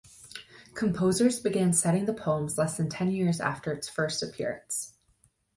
Composers began setting the poems less than ten years after its first appearance.